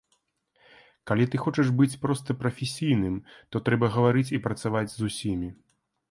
Калі ты хочаш быць проста прафесійным, то трэба гаварыць і працаваць з усімі.